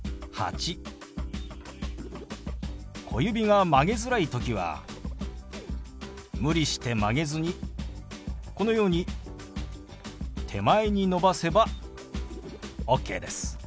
小指が曲げづらい時は無理して曲げずにこのように手前に伸ばせばオッケーです。